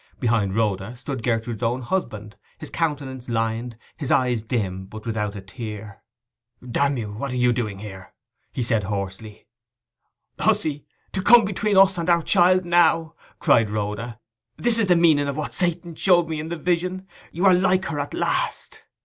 Behind Rhoda stood Gertrude's own husband; his countenance lined, his eyes dim, but without a tear. 'D n you! what are you doing here?' he said hoarsely. 'Hussy—to come between us and our child now!' cried Rhoda. 'This is the meaning of what Satan showed me in the vision! You are like her at last!